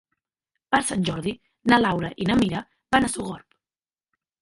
Per Sant Jordi na Laura i na Mira van a Sogorb.